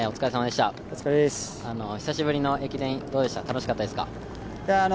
久しぶりの駅伝、どうでした楽しかったですか？